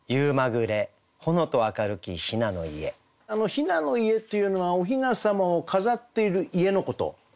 「雛の家」っていうのはお雛様を飾っている家のことです。